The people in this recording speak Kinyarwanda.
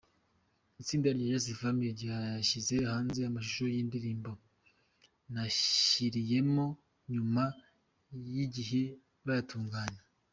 Itsinda rya Just Family ryashyize hanze amashusho y’indirimbo ‘Nashyiriyemo’ nyuma y’igihe bayatunganya.